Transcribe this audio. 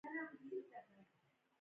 ټول قومونه افغانان دي